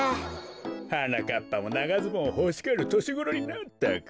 はなかっぱもながズボンほしがるとしごろになったか。